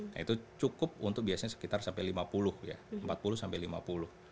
nah itu cukup untuk biasanya sekitar sampai lima puluh ya empat puluh sampai lima puluh